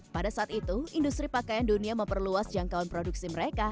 pada saat itu industri pakaian dunia memperluas jangkauan produksi mereka